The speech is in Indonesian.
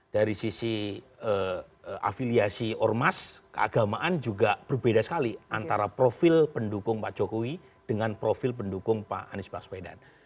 dari sisi afiliasi ormas keagamaan juga berbeda sekali antara profil pendukung pak jokowi dengan profil pendukung pak anies baswedan